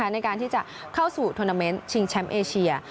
ในการที่จะเข้าสู่ทวนาเมนต์ชิงแชมป์เอเชีย